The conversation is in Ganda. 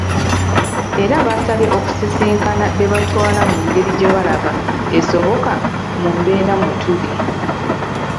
Era abasabye okusisinkana be batwala mu ngeri gye balaba esoboka mu mbeera mwe tuli.